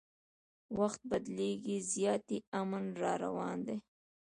وخت بدلیږي زیاتي امن را روان دی